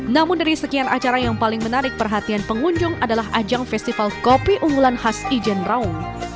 namun dari sekian acara yang paling menarik perhatian pengunjung adalah ajang festival kopi unggulan khas ijen raung